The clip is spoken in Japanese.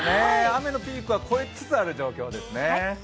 雨のピークは超えつつある状況ですね。